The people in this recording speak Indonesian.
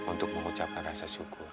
untuk mengucapkan rasa syukur